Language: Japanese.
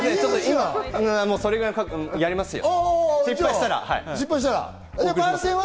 それぐらいやりますよ。